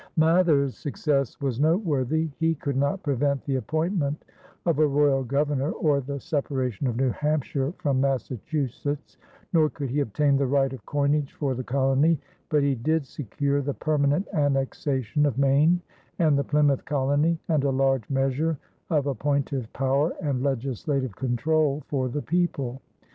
Mather's success was noteworthy. He could not prevent the appointment of a royal governor or the separation of New Hampshire from Massachusetts, nor could he obtain the right of coinage for the colony; but he did secure the permanent annexation of Maine and the Plymouth colony, and a large measure of appointive power and legislative control for the people.